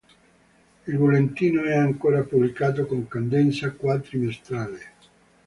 Il Bullettino è ancora pubblicato con cadenza quadrimestrale.